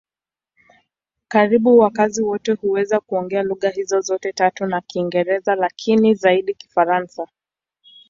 Karibu wakazi wote huweza kuongea lugha hizo zote tatu na Kiingereza, lakini zaidi Kifaransa.